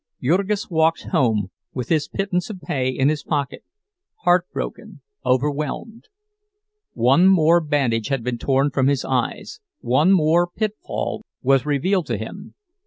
Jurgis walked home with his pittance of pay in his pocket, heartbroken, overwhelmed. One more bandage had been torn from his eyes, one more pitfall was revealed to him!